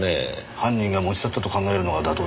犯人が持ち去ったと考えるのが妥当でしょうね。